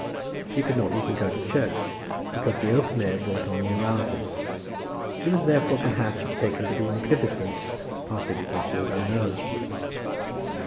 She could not even go to church, because the open air brought on neuralgia. She was therefore perhaps taken to be magnificent, partly because she was unknown.